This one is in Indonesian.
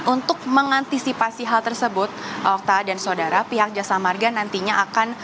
untuk mengantisipasi hal tersebut okta dan saudara pihak jasa marga nantinya akan